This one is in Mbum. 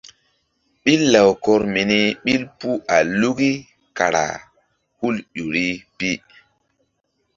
Ɓil lawkɔr mini ɓil puh a luki kara hul ƴo ri pi.